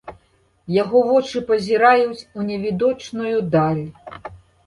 Яго вочы пазіраюць у невідочную даль.